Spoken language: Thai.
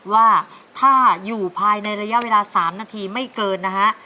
ว่าถ้าอยู่ภายในระยะเวลา๓นาทีไม่เกินนะฮะ